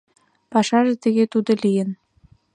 Пашаже тыге тудо лийын: